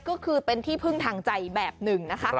ก็คือเป็นที่พึ่งทางใจแบบหนึ่งนะคะ